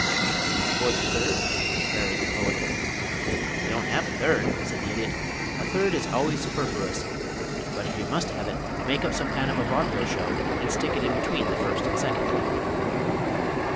"And for the third?" queried the Poet. "Don't have a third," said the Idiot. "A third is always superfluous but if you must have it, make up some kind of a vaudeville show and stick it in between the first and second."